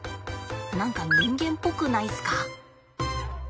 何か人間っぽくないすか？